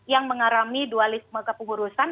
yang mengalami dualisme kepengurusan